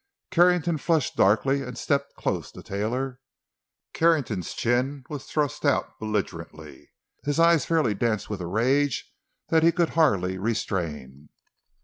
Carrington flushed darkly and stepped close to Taylor. Carrington's chin was thrust out belligerently; his eyes fairly danced with a rage that he could hardly restrain.